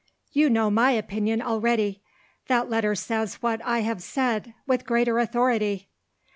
You know my opinion already. That letter says what I have said with greater authority."